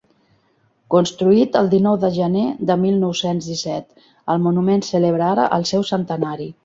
Construït el dinou de gener de mil nou-cents disset, el monument celebra ara el seu centenari.